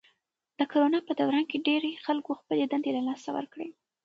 د کرونا په دوران کې ډېری خلکو خپلې دندې له لاسه ورکړې.